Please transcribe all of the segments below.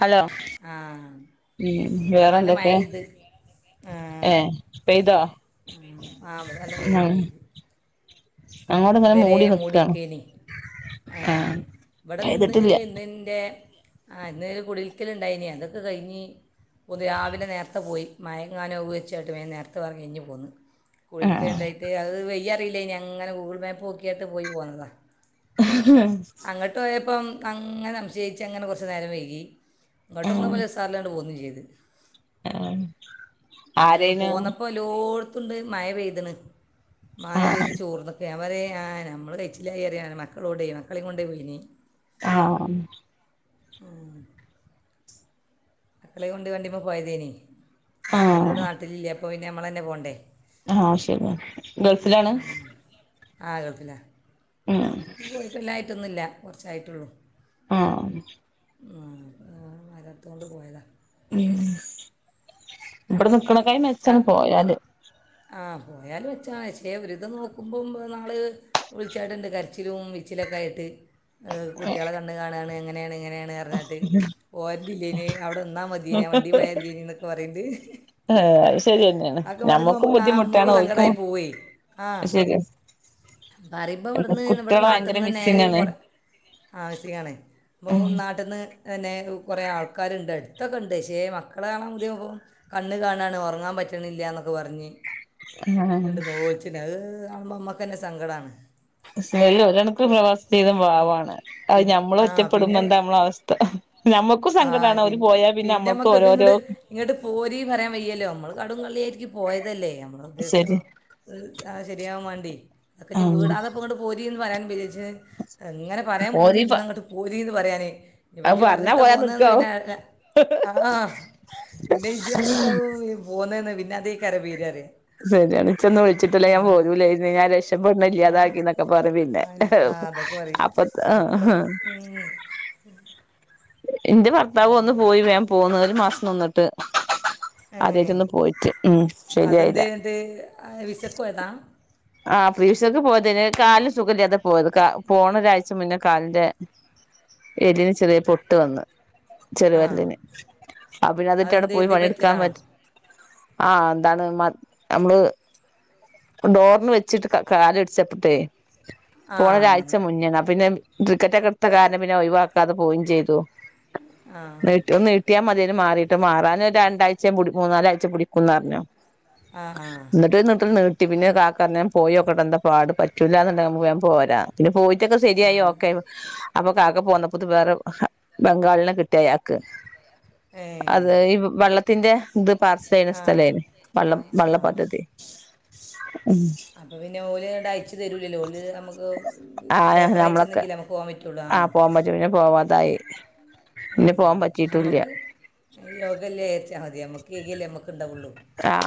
Hello ആ ഉം ഇവിടെ നല്ല മഴ വേറെന്തൊക്കെ പെയ്ത് ആ ഏ പെയ്തോ ഉം ഇതരെ മൂടിക്കേനി എ ആ ഇവിടെന്ന് പെയ്തിട്ടില്ല ന്ന്ൻ്റെ പി ഇന്നേൽ കുടിരിക്കലുണ്ടായിനി അതൊക്കെ കഴിഞ്ഞ് പോ രാവിലെ നേരത്തെ പോയി മായങ്ങാനാവു വെച്ചായിട്ട് നേരത്തെ പറഞ്ഞ് കഴിഞ്ഞ് പോന്നു ആ കുടിരിക്കലിണ്ടായിട്ട് അത് വയ്യ അറിയില്ല [unintelligible] ഇങ്ങനെ ഗൂഗിൾ മാപ്പ് നോക്ക്യാട്ട് പോയി പോന്നതാ [unintelligible] അപ്പം അങ്ങനെ സംശയിച്ച അങ്ങനെ കുറച്ചു നേരം വൈകി ങ്ങട്ട്പോന്നപ്പോ ഉസാറിലങ്ങട്ട്പോന്നും ചെയ്ത് അ ആഹ് ആരയ്നു ത്തുണ്ട് മഴ പെയ്ത്ണ് ആ മഴപെയ്ത് ചോർന്നൊക്കെ അവരെ ആ നമ്മള് കയ്ച്ചിലായി അറിയാണ് മക്കളോടെയും മക്കളെ കൊൊണ്ട പോയിനി ആഹ ഉ മക്കളെ കൊണ്ട് വണ്ടിമ്മോ പോയതേനി ആ ഹസ്ബൻഡ് ഇവടെ നാട്ടിലില്ല അപ്പോന്നിനമ്മളന്നെ പോണ്ടേ ആഹ ശരി ഗേൾഫിലാണ് ആ ആ ഗൾഫിലാ പ്പോ പോയിട്ടല്ലായിട്ടൊന്നില്ല കുറച്ചായിട്ടുള്ളൂ ആഹ ആ മതത്തോണ്ട് പോയതാണ് ഉം ഇവിടെ നിക്കണ എൈ മെച്ചാണ് പോയല് പോയാാലും മെച്ചാണ്പക്ഷേ ഒരു വിതംനോക്കുമ്പോം മ്മള്വിളിച്ചാട്ടുണ്ട് കരച്ചിലും വിച്ചിലൊക്കെ ആയിട്ട് കുട്ടികള കണ്ട്ു കാണാനാണ്ങ്ങന ന്നെണ് ന കറനാട്ട് പോരണ്ടീല്ലന്അവിടെ നിന്നാൽ മതിീന ആ വണ്ടി പോയൽ മതിന്എന്നൊക്കെ പറയണ്ട് ഏ അത് ശരിയന്നെയാണ് അക്കെ പറയുമ്പോൾ ഞമ്മക്കും ആ ബുദ്ധിമുട്ടാണ് അമ്മക്കും ഓൽക്കും സങ്കടമായി പോവേ ആ ശരി പറയുമ്പോൾ ഇവിടുന്ന് ഇവിടെ കുട്ടികളെ ഭയങ്കര നാട്ടിൽന്ന് തന്നെ മിസ്സിംഗ് ആണ് കുറെ ആവശ്യമാണ് അപ്പോൾ ഉം നാട്ടിൽന്ന് പിന്നെ കുറെേ ആൾക്കാരുണ്ട് അടുത്തൊക്കെ ഉണ്ട് പക്ഷേ മക്കളെ കാണാൻ മതിയ ഇപ്പം കണ്ണ് കാണാണ്ഓ ഉറങ്ങാൻ പറ്റണില്ല എന്നൊക്കെ പറഞ്ഞ് ആഹ കാണുമ്പോ അമ്മക്കന്നെ സങ്കടമാണ് സ്മേല് ഒരണക്ക് പ്രവാസ ജീവിതം ആ പാവാണ് അത് പി ഞമ്മള് ആ ഒറ്റപ്പെടുമ്പോ പിന്നെ എന്താ നമ്മള അവസ്ഥ ഞമ്മക്കും ആ സങ്കടാണ് അവര് പിന്ന പോയാ പിന്നെ നമ്മൾക്കും നമ്മുക്കത് ഓരോരോ ഇങ്ങോട്ട് ഇങ്ങോട്ട് പോരി പറയാൻ വയ്യല്ലോ നമ്മൾ കടും കള്ളിയായിരിക്കും പോയതല്ലേ നമ്മൾ ഉദ്ദേശം ശരി ആ ശരിയാൻ വേണ്ടി അതൊക്കെ ആഹ് വീടാതെപ്പോ ഇങ്ങട്ട് പോരി വരാൻ ബജേജ അതങ്ങനെ പറയാ ഓര് പൂതിണ്ട് ന്നഅങ്ങോ് പോരീ പറയാനേ അത് ഇപ്പജ് പറഞ്ഞാ പറഞ്ഞിട്ടാ പോയാ പോന്നെന്ന് നിക്കാവും പിന്നെ [unintelligible] ആ പിന്നെ ഇജ് പറഞ്ഞിട്ടാവും പോന്നെ പിന്നെ അതേയിക്കാരം വീരറിയാ ശരിയാണ് ഇച്ചൊന്ന് വിളിച്ചിട്ടില്ലേ ഞാൻ പോരൂലായിര്ന്ന് ഞാൻ രക്ഷ ക്ഷപെട്ണേ ആഹ് ഇല്ലാതാക്കിന്നൊക്കെ പറിം പിന്നെ ആ ഇല്ല. ആ, അതൊക്കെ പറയും അപ്പം എത്താ ഇപ്പടെ ഉം ഇന്റെ ഭർത്താവ് ഒന്ന്പോയി വേം പോന്ന് ഒരു മാസം നിന്ന്ട്ട് [unintelligible] ആദ്യായിട്ട് ഏഹ് ഒന്ന് പോയിട്ട് ഉം ശരിയായില ഏ വിസക്ക് പോയ്താ ആ ഫ്രീ വിസക്ക് പോയതെയിനി കാൽൻ സുഖയില്ലാതെ പോയത് കാ പോണ ഒരാഴ്ച മുന്നേ കാലിന്റെ എല്ലിന് ചെറിയ പൊട്ട് വന്ന് ചെർ ആഹ് വെര്ലിൻ അപ്പൊ പിന്നെ അതിട്ടാണ്ട് അതെന്തേ പോയി എന്തേ പണി ഇട്ക്കാൻ പറ്റിയതാണോ പറ്റ ആ എന്താണ് മത് നമ്മൾ ഡോ ഒന്ന് വെച്ചിട്ട് കാൽ ഇട്ചപ്പത്തെ പോണ ആഹ് അങ്ങനെ ഒരാഴ്ച മുന്നെണ് അപ്പം പിന്നെ ടികെറ്റ് ഒക്കെ ഇട്ത്ത കാരണം പിന്നെ ഒഴിവാക്കാതെ പോയിം ചെയ്തു ആഹ് നീട്ടി ഒന്ന് നീട്ടിയാ മതിയെ ഞ് മാറിയിട്ട് മാറാൻ ഒര് രണ്ടാഴ്ച പുടി മൂന്നാലാഴ്ച പുടിക്കുംന്ന് പറഞ്ഞു ആഹ് ആഹ് ഇന്നട്ട് ഒര് നീട്ടൽ നീ ട്ടി പിന്നെ കാ റ്ഞ്ഞ് പോയൊക്കെട്ടെ എന്താ പാട് പറ്റൂലാന്ന് ഇണ്ടെങ്കി നമ്മക്ക് വേഗം പോരാ പിന്നെ [unintelligible] ശരിയായി ആഹ് ഓക്കെ ആയി അപ്പൊ കാക്ക പോന്നപ്പോത്ത് വേറെ ഹ്ഹെ ബംഗാളിനെ കിട്ടി അയാക്ക് ഏഹ് അതെ ഇ വെള്ള ത്തിന്റെ ത് പാർസൽ ചെയ്യ്ണ ആഹ് സ്ഥലെയിനി വള്ളം ആഹ് വള്ള പദ്ധതി [unintelligible] അപ്പൊ പിന്നെ ഓൽ ഇങ്ങട്ട് അയച്ച് തരൂലല്ലോ ഓൽ നമ്മക്ക് ആ പേപ്പർ നമ്മളൊക്കെ അയച്ചെന്നെങ്കിലെ നമ്മക്ക് പോവാൻ പറ്റൊള്ളു ആ ആഹ് പോവാൻ പറ്റും പിന്നെ പോവാതായി പിന്നെ പോവാൻ ങേ പറ്റിട്ടുംല്ല നമ്മക്ക് യോഗ ഇല്ല വിചാരിച്ചാ മതി നമ്മ ക്കെ ഏഗിയല്ലേ നമ്മ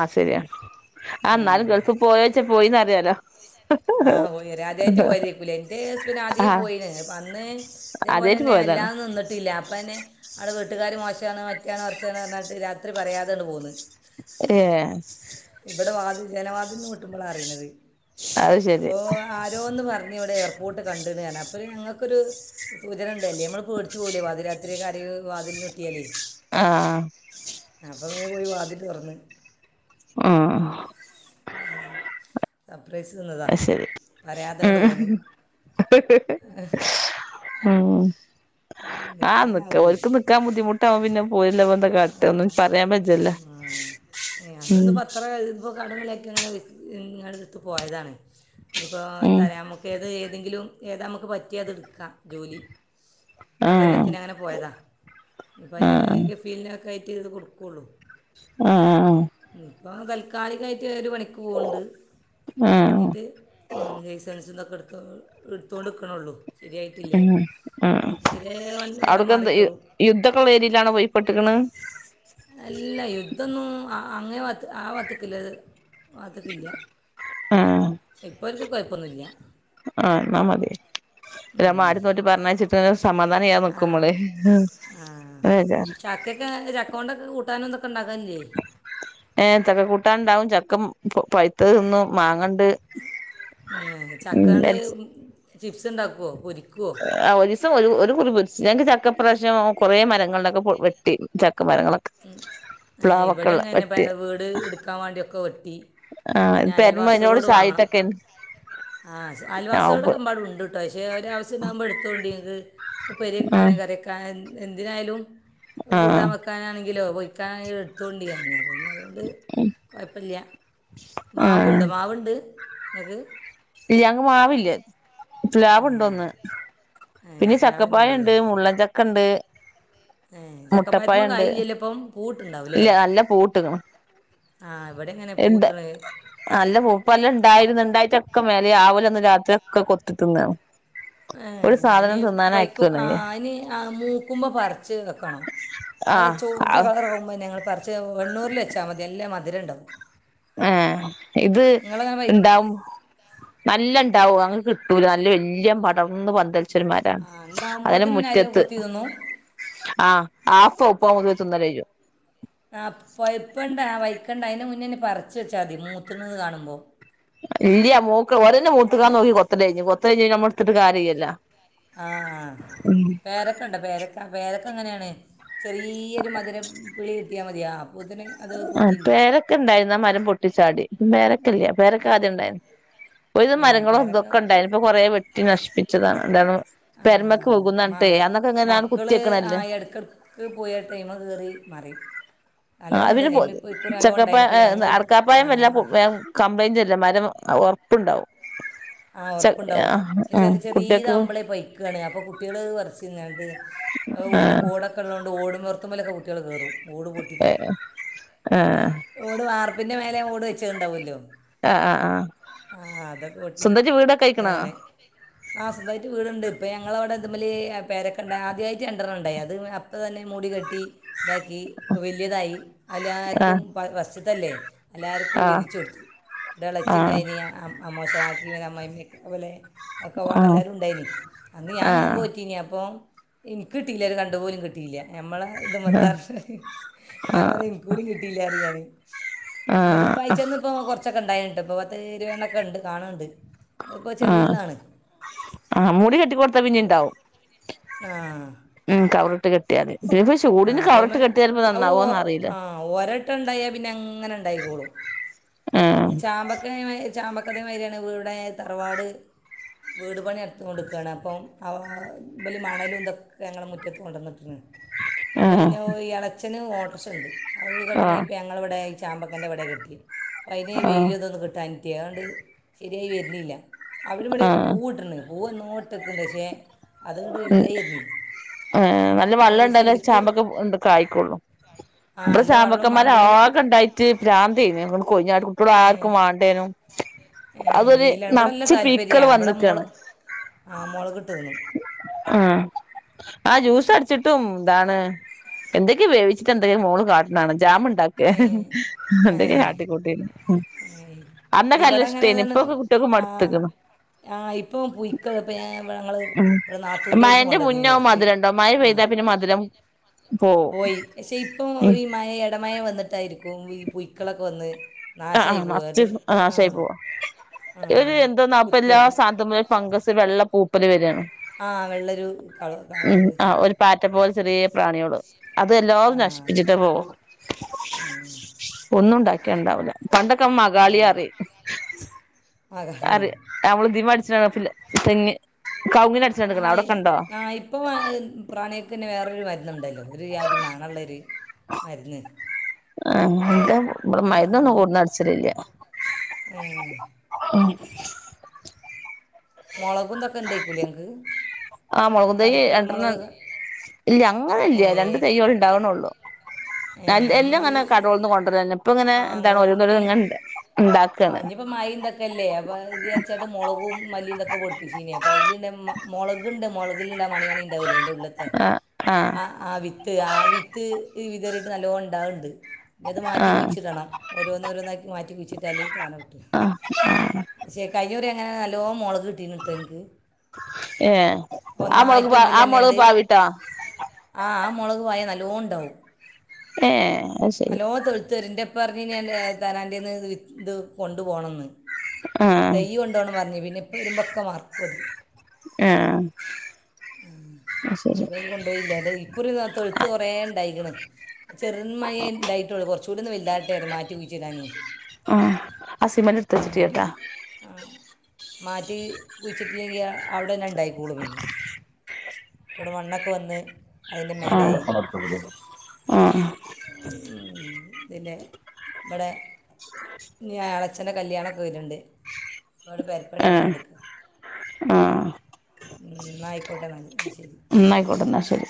ആ ശരിയാണ് ആ ഇന്നാലും ആഹ് ഗൾഫ് പോയോച്ചാ പോയിന്ന് പറയാലോ ആ പോയി വെരാ ആദ്യായിട്ട് പോയതായിരിക്കുംലെ എന്റെ ഹസ്ബന്റ് ആദ്യേ ആഹ് പോയിന് അപ്പം അന്ന് ആദ്യായിട്ട് ഇതേപോലെന്നെ വല്ലാ പോയതാണ് ഒന്നും നിന്നിട്ടില്ല അപ്പന്നെ അവിടെ വീട്ടുകാർ മോശമാണ് മറ്റാണോ മറച്ചാണ് പറ്നാട്ട് രാത്രി പറയാതെണ്ട് പോന്ന് ഏ ജനവാതിന്ന് പൊട്ടുമ്പോളാണ് അറിയുന്നത് അത് ശരി അപ്പോ ആരോ ഒന്ന് പറഞ്ഞ് ഇവിടെ ഇർ പൂട്ട് കണ്ട്ണ് പറഞ്ഞ് അപ്പൊരു ഞങ്ങൾക്കൊരു സൂചന ഉണ്ടല്ലേ നമ്മൾ പേടിച്ച് പോകില്ലേ പാതി രാത്രി ആരെങ്കിലും വാതിലിൽ കൊട്ടിയാലേ ആ വേംപോയി വാതിൽ തുറന്ന് മ് മ അ അ ശരി പോന്ന് ഉം ആ നിൽക്കാനാവൂലേ നിക്കന്നോർക്ക് നിക്കാൻ ബുദ്ധിമുട്ടാവുമ്പോ പിന്നെ പോയില്ലപെന്താ കാട്ടാ ഒന്നും പറയാൻ പറ്റൂല ഉ കടമ [unintelligible] [unintelligible] ങ്ങനെ ഞങ്ങളെടുത്ത് പോയതാണ് ഇനിയിപ്പോൾ ഉം തരാൻമുക്കേത് എന്തെങ്കിലും ഏതാ നമുക്ക് പറ്റിയതെടുക്കാം ജോലി രണ്ട് ആഹ് കൊല്ലത്തിനങ്ങനെ പോയതാ ആഹ് ഇനിയപ്പയില് ഫീൽ ചെയ്ത് കൊടുക്കൂള്ളൂ ആ ആ ആ അപ്പ തൽക്കാലികായി ട്ട് ഒരു പണിക്ക് പോകുന്ണ്ട് അത് കയി ആഹ് ഞ്ഞിട്ട് ഉം ലൈസൻസുംതൊക്കെ എടു [unintelligible] എടുത്തോണ്ടെക്കണെള്ളൂ ഉം ആ ശരിയായാൽ വേറെ മാറി അവിടക്കെന്താ കയറും യുദ്ധക്കുള്ള ഏരിയലാണ് പോയിപ്പെട്ടിക്കണ് അല്ല യുദ്ധമൊന്നും ആ അങ്ങെ ഭാത്ത് ആ ഭാത്തിക്കല്ലിത് അതിക്കില്ല ആ കുയപ്പൊന്നുല്ല ആ എന്നാമതി നമ്മ ഉം. [unintelligible] പറഞ്ഞയച്ചിട്ട് [unintelligible] ചെയ്യാതെ ആ നിക്കുമ്പളേ ആ ബേജാറ് ചക്കക്കെ ചക്കോണ്ടൊക്കെ കൂട്ടാൻ ഏ ചക്ക കൂട്ടാനുണ്ടാവും ചക്ക മ ഇപ്പോ പൈത്തത് തിന്നും മാങ്ങണ്ട് ഉം ചക്കെണ്ട് ചിപ്സ് ഉണ്ടാക്കുവോ പൊരി ആ ഒരു ദിവസം ഒരു കുറി പൊരിച്ച് ഞങ്ങക്ക് ച ഇപ്രാവശ്യം കുറേ മരങ്ങളിണ്ട് അതൊക്കെ വെട്ടി ച ഉം ഏ ഇവിടെ ഉള്ള ഇങ്ങനെ ബേ വെട്ടി വീട് എടുക്കാൻ വേണ്ടിയൊക്കെ വെ ട്ടി ആഹ് പിന്നെ പെരമ അതിനോട് അയൽവാസികളോട് വാങ്ങണം ചായിട്ടൊക്കെ ആ ആവുമ്പോ അയൽവാസികളൊക്കെ എമ്പാടും ഉണ്ട് കേട്ടോ പക്ഷെ അവര് ആവശ്യം ഇണ്ടാകുമ്പോ എടുത്തോണ്ടി അത് ഉപ്പേരി വെക്കാന് ആഹ് കറിവെക്കാന് എന്തിനായാലും ആഹ് കൂട്ടാൻ വെക്കാനാണെ ലോ പോയിക്കാനി എടുത്തോണ്ട് [unintelligible] പിന്നെ അതുകൊണ്ട് കൊഴപ്പല്യാ മാവുണ്ട് മാവുണ്ട് അത് ഇല്ല ഞങ്ങക്ക് മാവില്ല പ്ലാവുണ്ടെന്ന് ഏ പിന്നെ പ്ലാവിനുള്ളൂ അല്ലേ ചക്കപ്പയണ്ട്, മുള്ളൻചക്കണ്ട്, ഏ ചക്കപ്പയത്തിൻമേ കായില്ലല്ലോ ഇപ്പം. പൂട്ടുണ്ടാവും അല്ലേ ഇല്ല നല്ല പൂവിട്ടക്കണ് ആ ഇവിടെ എങ്ങനെ എന്താ പൂട്ടണ് നല്ല പൂപ്പലുണ്ടായിരുന്നു ഇണ്ടായിട്ടൊക്കെ മേലെ വാവല് വന്ന് ഒക്കെ കൊത്തിന്നാണ്. ഏ അയ്ന് വൈക്ക ആ അയ്ന് ആ മൂക്കുമ്പോ പറിച്ച് വെക്കണം അത് ആഹ് ചൊവ്വന്ന ആഹ് കളറാകുമ്പോ ഞങ്ങ പറച്ച് വെണ്ണൂറില് വെച്ചാ മതി നല്ല മധുരം ഇണ്ടാകും. ഏ ഇത് വൈ ഇണ്ടാവും നല്ലം ണ്ടാവും അങ്ങ് കിട്ടൂല നല്ല വല്യ പടർന്ന് പന്തൽ ഒരു മരാണ്. ആ അത് പോലെ ഉണ്ടാവുമ്പോത്തിന് അരി മുറ്റത്ത് കൊത്തി തിന്നും ആ ആഫ് [unintelligible] ഒക്കെ വന്ന് തിന്നലയ്യും ആ പോയപ്പണ്ട് ആ വയ്ക്കെണ്ടായിന്നെ മു- മുന്നെന്നെ പറിച്ച വെച്ചാ മതി മൂത്ത്ണ് നിന്ന് കാണുമ്പോ ഇല്ല്യ മൂക്ക് ഒരെന്നെ മൂത്തക്ക്ണോ നോക്കി കൊത്തല് കയിഞ്ഞു. കൊത്തല് കയിഞ്ഞിട്ടു പിന്നെ ഇട്ത്തിട്ട് കാര്യല്ലലോ ആ പേരക്ക ഇണ്ട പേരക്ക പേരക്കെ എങ്ങനെയാണ് ചെറിയൊരു മധുരം പിളി കിട്ടിയാ മതിയാ ആ പേരക്കണ്ടായിന്ന മരം പൊട്ടിച്ചാടി പേരക്യല്ല പേരക്ക ആദ്യം ഇണ്ടായിന് ഒരു വിധം ഏ മരങ്ങളും പേരക്ക തൊക്കെ ഇണ്ടായിന്ന് ഇപ്പൊ കൊറേ വെട്ടി ട്ടി നശി - ച്ചത ആ പെരമക്ക് വുഗും മ നറഞ്ഞട്ടു അന്നൊക്കെ ഇങ്ങനെയങ്‌ മക്കൾ ആ കുത്തിയക്കണല്ലേ ഇടയ്ക്കിടയ്ക്ക് പോയി ആ ടൈമ് കയറി മറിയും ആ നല്ലോണം ഉണ്ട് അവര് ടൈം പൊത് ഇപ്പോൾ ഇക്കുറി നല്ലോണം ഉണ്ടായിന് ചക്കപ്പയം ഏ ഇപ്പം ഞങ്ങൾ അടക്കാപയം വല്ലാ ആ, വേം കംപ്ലയിന്റ് വരും അല്ല മരം ഒറപ്പ്ണ്ടാവും ആ ഒറപ്പ്ണ്ടാവും ചെ കുട്ടികൾക്ക് ചെര്യേതാവുമ്പളെ പൈക്കാണ് അപ്പൊ കുട്ട്യേള് അത് പറ്ച്ചും പിന്നത് അത് ആ ഓട് ഓടൊക്കെള്ളതോണ്ട് ഓട്. നിർത്തുമ്മലൊക്കെ കുട്ട്യേള് കേറും. ഓട് പൊട്ടിക്ക ആ ആ ഓട് വാർപ്പ് പിന്നെ മേല ഓട് വച്ചത് ഉണ്ടാവുമല്ലോ ആ ആ ആ അതൊ കട്ടി സ്വന്തായിട്ട് വീടൊക്കെ ആയിക്കണോ ആ ഇതാണ് ആഹ് സ്വന്തായിട്ട് വീടുണ്ട് ഇപ്പൊ ഞങ്ങളവടെ ഇത്മില് പേരക്ക ഇണ്ടായി ആദ്യായിട്ട് രണ്ടെണ്ണം ഇണ്ടായി അത് അപ്പ തന്നെ മൂടി കെട്ടി ഇതാക്കി വലിയതായി അല്ലാർ കും വ വസ് ത്തല്ലെ ആ എല്ലാർക്കും ആ വീതിച്ചു കൊടുത്തു ഇൻ്റെ ആ ഇളച്ചിണ്ടായിനി അ അ മോശ [unintelligible] അമ്മായിയമ്മൊക്കെ പോലെ ആ ഒക്കെപ്പാടെ എല്ലാരും ഉണ്ടായിനി, അന്ന് ഞാൻ ആ നോമ്പ് നോറ്റിനി അപ്പൊ എനിക്ക് കിട്ടിയില്ല ഒരു തണ്ട് പോലും കിട്ടിയില്ല ഞമ്മളെ ഇത് മത്തെ ആ ഞാൻ പറയും എനിക്ക് കൂടി കിട്ട പറയും ഞാന് ഇങ്ങൾക്ക് ഇപ്പൊ അയച്ചെന്നപ്പൊ കൊറച്ചൊക്കെ ഇണ്ടായ് ട്ടപ്പ പത്ത് ഇരുപതെണ്ണൊക്കെ ഇണ്ട് കാണണ്ട് ആഹ് ആഹ് മൂടി കെട്ടിക്കൊടുത്ത പിന്നേണ്ടാവും ആ ഉം കവർ ട്ട് കിട്ടിയാതി ആ അപ്പ അതിമ്മേ ആഹ് ഓ അറിയില്ല ആഹ് ഒരട്ടം ഇണ്ടായാ പിന്നെ ഇങ്ങനെ ഇണ്ടായിക്കോളും ആഹ് ചാമ്പക്ക [unintelligible] ചാമ്പ അതേമാരിയാണ് ഇവടെ തറവാട് വീട് പണി അടുത്ത് കൊണ്ടിക്കാണ് അപ്പം ആഹ് വല് മണലും ഇതൊക്കെ ഞങ്ങളുടെ മുറ്റത്ത് കൊണ്ടന്നിട്ടിക്ക്ണ് അപ്പൊ ആഹ് പിന്നെ ഇയാള് അ അച്ചന് ഓട്ടോറ്ഷ ഇണ്ട് അത് കെട്ടണെ ആഹ് ഇപ്പൊ ഞങ്ങളിവടെ ചാമ്പക്കന്റെ ഇവടാ കെട്ടിയേ അതിന ആഹ് വെയിലും ഇതൊന്നും കിട്ടാൻ യാണ്ട് ശരിയായി വെര്ണില്ല അവടെം ഇവിടൊക്കെ ആഹ് പൂവിട്ട്ണ് പൂ എന്നോട്ടൊക്കണ്ട് പക്ഷേ അതുകൊണ്ട് ഉം വലുതായി വരുന്നില്ല ഏ നല്ല അത് വെള്ളം ഇണ്ടല്ലേ ശരിക്ക് ചാമ്പൊക്കെ ഇണ്ട് കായ്ക്കുള്ളൂ ആ ഇവടെ നല്ല ചാമ്പക്ക വെള്ളം വേണം പിന്നെ മരാകെ ഇണ്ടായിട്ട് പ്രാന്തേരുന്ന് [unintelligible] കൊഴിഞ്ഞാണ്ട് ഏ കുട്ടികളാർക്കും വാണ്ടേനും ഏ അതൊര് വെയില ഇവിടെല്ല നറച്ച് താല്പര്യ പീക്കള് ഇവിടെ മോള് വന്നിക്കാണ്. ആ മുളകിട്ട് തിന്നും ആഹ് ആ ജ്യൂസടിച്ചിട്ടും എന്താണ് എന്തൊക്കെയെ വേവിച്ചിട്ട് എന്തൊക്കെ മോള് കാട്ടണ് കാണാ ജാമു ഏ ഏ ഉം ഏ അന്നൊക്കെ നല്ല ഇഷ്ടേനി ഇവടെങ്ങനെതാണ് ഇപ്പൊക്കെ കുട്ട്യേക്ക് ആ മടുത്ത്ക്ക്ണ് ആ ഇപ്പോ പുയ്ക്കള് ഇപ്പൊ ഞാൻ ഇവടെ ഞങ്ങള് ഇവടെ നാ മയന്റെ മുന്നെ മധ്രരണ്ടാവും മയ പെയ്താപ്പിന്നെ മധ്രം പോയി ക്ഷെ ഇപ്പൊ ഈ മഴ എടമയ വന്നിട്ട് ഈ പുയ്ക്കളൊക്കെ വന്ന് ആ ആ നാശമായി നറച്ച് പോകാട്ട് ആ നാഷായി പോവാ ആ എന്തോ പ്പ എല്ലാ കുത്തിയാട്ട് സാൻത്ത്മ്മലും ഫംഗസ് വെള്ള പൂ [unintelligible] ആ വെള്ളൊരു കള ഉ കളറിൽ ആ വരുന്നുണ്ട് ഒരു പാറ്റ പോലെ ചെറിയ പ്രാന്യാള് അതെല്ലോം ആ നശിപ്പിച്ചിട്ട് പോകു ഉം. ഒന്നുംണ്ടാ [unintelligible] ണ്ടാവൂല പണ്ടൊക്കെ മഗാളി റയും ആ കളയും [unintelligible] [unintelligible] തെങ്ങ് കവുങ്ങിന് അടിച്ചാണ്ട്ക്ക്ണ് ആ അവിടൊക്കെ ഉണ്ടോ ആ ഇപ്പൊ പ്രാണിയൊക്കെന്നെ വേറെ മരുന്ന്ണ്ടല്ലോ ഒരു ജാതി മണള്ളൊര് രുന്ന് ആ എന്താ ഇവടെ മരുന്നൊന്നും കൊട്ന്നടിച്ചലില്ല ഏ, മുളകുംതൊക്കെ ഇണ്ടേക്കൂല്ലെ ങ്ങക്ക് ആ മൊളകും തെയ്യ് രണ്ടെണ്ണം ഇന് ഇല്ല അങ്ങനെ ഏ ഇല്ല രണ്ട് തെയ്യള് ഇണ്ടാക്ണൊള്ളു എല് നമ്മൾ എല്ലാം ങ്ങനെ കടോള്ന്ന് കൊണ്ടോ ഇപ്പ ഇങ്ങനെ എന്താണ് ഓരോന്ന് ഓരോന്ന് ഇണ്ട ഇണ്ടാക്ക ആ ഇനിയിപ്പോ മയ തൊക്കല്ലേ അവിച്ചാണ്ട് മോള മല്ലി തൊക്കെ പൊടിപ്പിച്ചീനി അയ്ല് മൊളക്ണ്ട് മൊളക [unintelligible] ലെ അയിന്റുള്ള്ത്തെ ആ ആ ആ വിത്ത് ആ വിത്ത് ഇത് വിതറീട്ട് നല്ലോം ണ്ടാവ്ണ്ട് ഇനി അത് ആ മാറ്റി കുയിച്ചിടണം ഓരോന്നോരോന്നാക്കി മാറ്റി കുയിച്ചിടണം [unintelligible] തോനെ കിട്ടും ആ [unintelligible] കഴിഞ്ഞൂറി അങ്ങനെ നല്ലോ മൊളക് കിട്ടീന്നുട്ടൊന്ക്ക് ഏ ആ മുളക് ഒന്നായിട്ട് പ ആ മുളക് ഒന്നിലണ്ട് പാവിട്ടോ ആ ആ മൊളക് [unintelligible] നല്ല [unintelligible] എ ഏ അത് ശരി [unintelligible] [unintelligible] ആ നെയ്യ് കൊണ്ടോന്ന് പറഞ്ഞഞ് പിന്നെ ഇപ്പ വരുമ്പൊക്കെ മറക്കും അത് ആ ആ ശരി അപ്പ ഇത് കൊണ്ടുപോയില്ലല്ലേ ഇക്കുറി തൊഴുത്ത് കൊറെേ ഇണ്ടായിക്കണ് ചെറു മഴേ ഇണ്ടായിട്ടോുള്ളു കുറച് കൂടി ഒന്നുവല്താവട്ടെന്ന് പറഞ്ഞ് മാറ്റി കുഴിച്ചിടാന് ആ അസിമന്റെ എടുത്ത് വെച്ചിട്ട് കേട്ടാ മാറ്റി കുഴിച്ചിട്ടില്ലെകിൽ അവിടെ രൺ- തായിക്കൂള പിന്നെ [inaudible] ഇവിടെ മണ്ണൊക്കെ വന്ന്- അതിൻ്റെ മേലെയായി ആഹ ആഹ ഉം, പിന്നെ ഇവിടെ ഞായാഴചഎന്റെ കല്യാണയാണ് വരുണ്ട് അവിടെ പെപരപ്പണി ആ ആ നടന്നോണ്ടിരിക്കണ് എന്നാ ആയിക്കോട്ടെ എന്നാ എന്നന്നായിക്കോട്ടുന്ന ശരി